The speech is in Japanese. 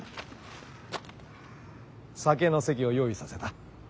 酒の席を用意させた。